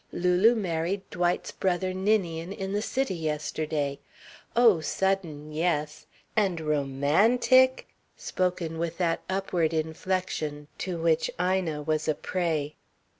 Lulu married Dwight's brother Ninian in the city yesterday. Oh, sudden, yes! And ro_man_tic ... spoken with that upward inflection to which Ina was a prey.